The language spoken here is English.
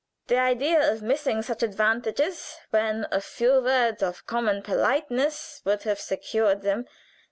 The idea of missing such advantages when a few words of common politeness would have secured them.